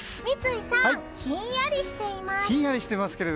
三井さん、ひんやりしています。